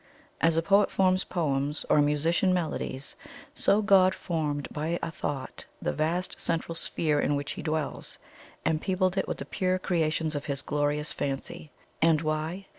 "As a poet forms poems, or a musician melodies, so God formed by a Thought the Vast Central Sphere in which He dwells, and peopled it with the pure creations of His glorious fancy. And why?